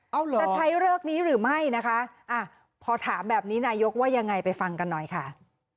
เอาเหรอจะใช้เลิกนี้หรือไม่นะคะอ่ะพอถามแบบนี้นายกว่ายังไงไปฟังกันหน่อยค่ะ